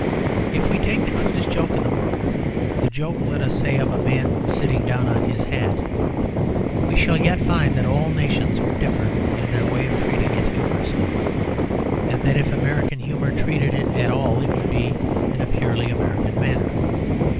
If we take the crudest joke in the world the joke, let us say, of a man sitting down on his hat we shall yet find that all the nations would differ in their way of treating it humourously, and that if American humour treated it at all, it would be in a purely American manner.